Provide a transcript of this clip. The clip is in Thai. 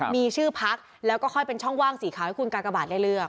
มีชื่อพักแล้วก็ค่อยเป็นช่องว่างสีขาวให้คุณกากบาทได้เลือก